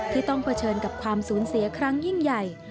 ที่ต้องเผชิญกับความสูญเสียครั้งยิ่งใหญ่